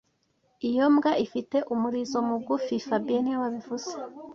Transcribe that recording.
Iyo mbwa ifite umurizo mugufi fabien niwe wabivuze